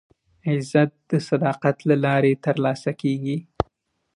عزت د صداقت له لارې ترلاسه کېږي.